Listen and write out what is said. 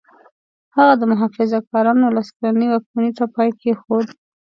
هغه د محافظه کارانو لس کلنې واکمنۍ ته پای کېښود.